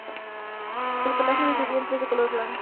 El pelaje de su vientre es de color blanco.